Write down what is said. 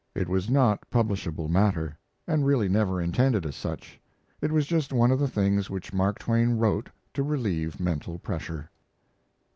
It was not publishable matter, and really never intended as such. It was just one of the things which Mark Twain wrote to relieve mental pressure.